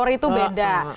dokter itu beda